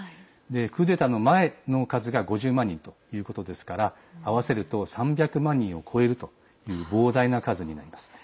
クーデターの前の数が５０万人ということですから合わせると３００万人を超えるという膨大な数になります。